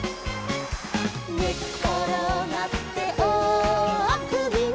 「ねっころがっておおあくびの」